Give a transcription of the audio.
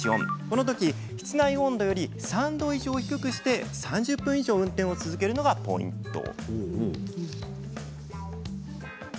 このとき、室内温度より３度以上低くして３０分以上運転を続けるのがポイント。